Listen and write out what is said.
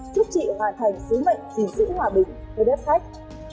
chúc chị hoàn thành sứ mệnh gìn giữ hòa bình với đất khách